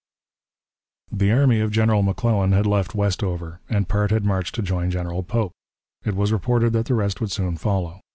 The army of General McClellan had left Westover, and a part had marched to join General Pope. It was reported that the rest would soon follow.